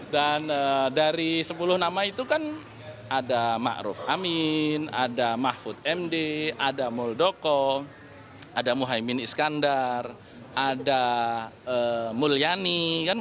dan dari sepuluh nama itu kan ada ma'ruf amin ada mahfud md ada muldoko ada muhaymin iskandar ada mulyani